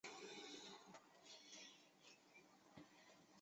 条裂叶报春为报春花科报春花属下的一个种。